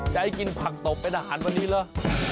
จะให้กินผักตบเป็นอาหารวันนี้เหรอ